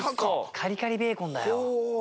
カリカリベーコンだよ。